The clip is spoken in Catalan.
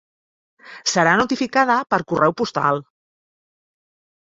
Serà notificada per correu postal.